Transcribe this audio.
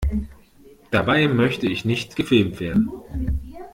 Dabei möchte ich nicht gefilmt werden!